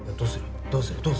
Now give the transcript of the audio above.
どうする？